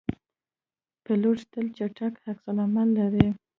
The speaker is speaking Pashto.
پیلوټ تل چټک عکس العمل لري.